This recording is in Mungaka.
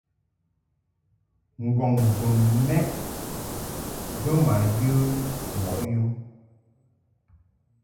Ngɔŋ bun mɛʼ bə ma ye mɔʼ yum.